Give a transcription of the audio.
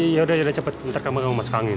yaudah cepet ntar kamu masuk angin